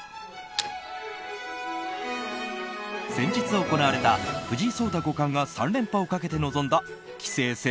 先日、行われた藤井聡太五冠が３連覇をかけて臨んだ棋聖戦